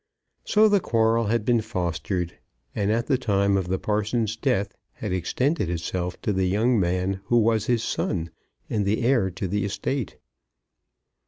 So the quarrel had been fostered, and at the time of the parson's death had extended itself to the young man who was his son, and the heir to the estate.